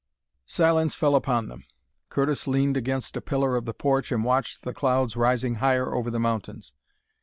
Silence fell upon them. Curtis leaned against a pillar of the porch and watched the clouds rising higher over the mountains.